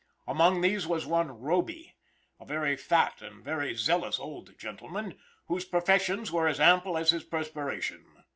Among these was one Roby, a very fat and very zealous old gentleman, whose professions were as ample as his perspiration.